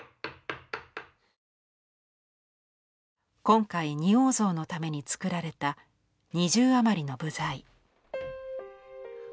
今回仁王像のためにつくられた２０余りの部材。